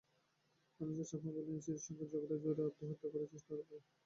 ধনঞ্জয় চাকমা বলেন, স্ত্রীর সঙ্গে ঝগড়ার জেরে আত্মহত্যা করেছেন তাঁর ভাই।